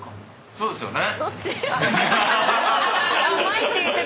そうですね。